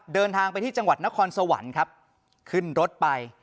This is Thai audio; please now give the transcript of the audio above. เดินทางไปที่จังหวัดนครสวรรค์ครับขึ้นรถไป